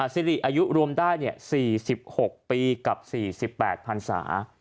สิริอายุรวมได้๔๖ปีกับ๔๘พันศา